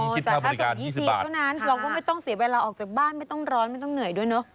อ๋อแต่ถ้าสั่งอีก๒๐บาทเราก็ไม่ต้องเสียเวลาออกจากบ้านไม่ต้องร้อนไม่ต้องเหนื่อยด้วยเนอะ